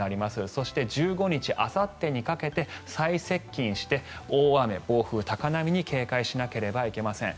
そして１５日、あさってにかけて最接近して大雨、暴風、高波に警戒しなければいけません。